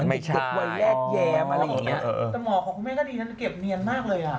ไม่ใช่อ๋อแต่หมอของคุณแม่ก็ได้เก็บเนียนมากเลยอ่ะ